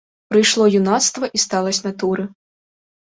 Прыйшло юнацтва і сталасць натуры.